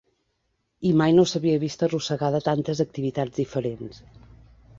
I mai no s'havia vist arrossegada a tantes activitats diferents.